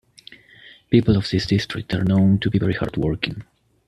People of this district are known to be very hard working.